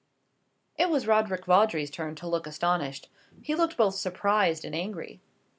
It was Roderick Vawdrey's turn to look astonished. He looked both surprised and angry.